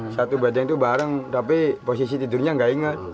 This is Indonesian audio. satu bedeng tuh bareng tapi posisi tidurnya nggak ingat